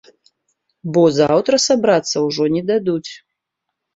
Бо заўтра сабрацца ўжо не дадуць.